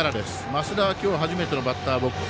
増田は今日初めてのバッターボックス。